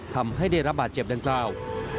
ทำให้ได้รับบาดเจ็บดังกล่าว